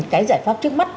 cái giải pháp trước mắt